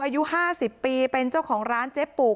อายุ๕๐ปีเป็นเจ้าของร้านเจ๊ปุก